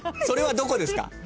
それはどこですか？